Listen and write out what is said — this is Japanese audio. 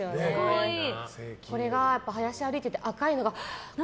これが林を歩いてて赤いのが見えたら。